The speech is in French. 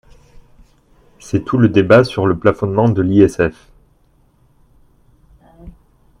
C’est tout le débat sur le plafonnement de l’ISF.